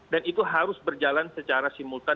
dan itu harus berjalan secara simultan